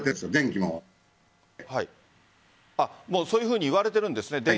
そういうふうに言われているんですね。